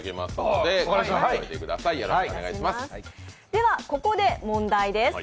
ではここで問題です。